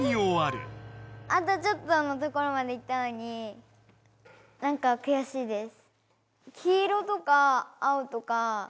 あとちょっとのところまでいったのになんかくやしいです。